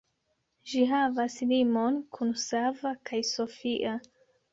Ĝi havas limon kun Sava kaj Sofia.